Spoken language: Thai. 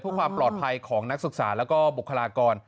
เพื่อความปลอดภัยของนักศึกษาแล้วก็บุคลากร